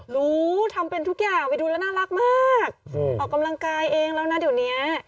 รู้ทำเป็นทุกอย่างไปดูแล้วน่ารักมากออกกำลังกายเองแล้วนะเดี๋ยวเนี้ย